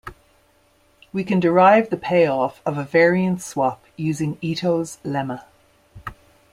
We can derive the payoff of a variance swap using Ito's Lemma.